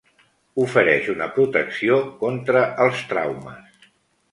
Ofereix una protecció contra els traumes.